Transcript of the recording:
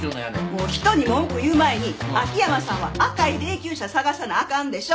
もう人に文句言う前に秋山さんは赤い霊きゅう車捜さなあかんでしょ。